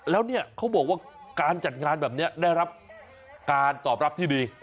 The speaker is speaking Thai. แล้วเนี่ยเขาบอกว่าการจัดงานแบบนี้ได้รับการตอบรับที่ดี